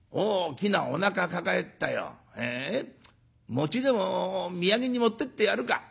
餅でも土産に持ってってやるか」。